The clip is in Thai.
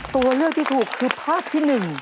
ตัวเลือกที่ถูกคือภาพที่๑